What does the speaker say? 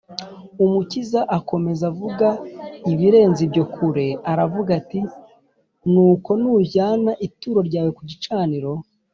umukiza akomeza avuga ibirenze ibyo kure aravuga ati, “nuko nujyana ituro ryawe ku gicaniro,